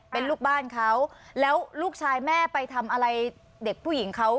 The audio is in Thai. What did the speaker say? เป็นลูกบ้านเขาแล้วลูกชายแม่ไปทำอะไรเด็กผู้หญิงเขา